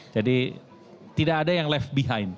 tidak ada yang left behind